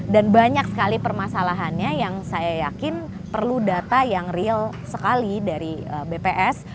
banyak sekali permasalahannya yang saya yakin perlu data yang real sekali dari bps